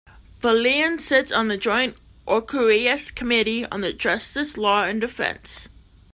Phelan sits on the Joint Oireachtas Committee on Justice, Law and Defence.